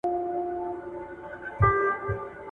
کلاسیکانو زاړه نظریات درلودل.